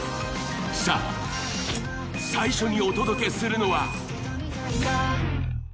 さあ最初にお届けするのは。